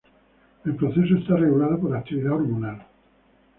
El proceso está regulado por actividad hormonal.